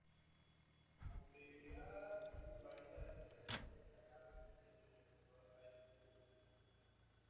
Aunque ha sufrido varias remodelaciones, la nave mantiene casi toda la estructura original.